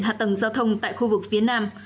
hạ tầng giao thông tại khu vực phía nam